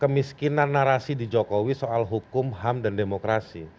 kemiskinan narasi di jokowi soal hukum ham dan demokrasi